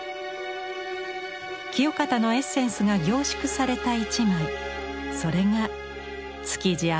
清方のエッセンスが凝縮された一枚それが「築地明石町」でした。